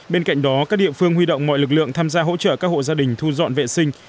bên cạnh đó các địa phương huy động mọi lực lượng tham gia hỗ trợ các hộ gia đình thu dọn vệ sinh